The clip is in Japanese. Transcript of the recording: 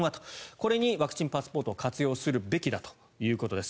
これにワクチンパスポートを活用するべきだということです。